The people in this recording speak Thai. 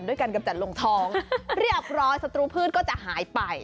ด้วยการกำจัดลงท้องเรียบร้อยศัตรูพืชก็จะหายไป